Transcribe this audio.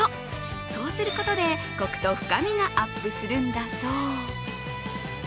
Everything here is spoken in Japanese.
そうすることで、コクと深みがアップするそう。